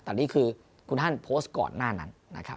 แต่นี่คือคุณท่านโพสต์ก่อนหน้านั้น